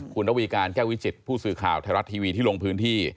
คุณระวีการแก้ววิจิตผู้สื่อข่าวไทยรัฐทีวีที่ลงพื้นที่